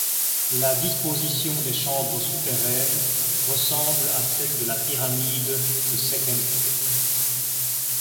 La disposition des chambres souterraines ressemble à celle de la pyramide de Sekhemkhet.